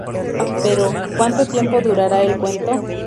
Pero, ¿cuánto tiempo durará el cuento?